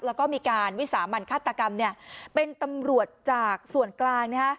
แล้วก็มีการวิสามันฆาตกรรมเป็นตำรวจจากส่วนกลางนะฮะ